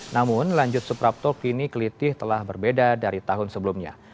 namun lanjut suprapto kini kelitih telah berbeda dari tahun sebelumnya